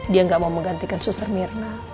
dia gak mau menggantikan suster mirna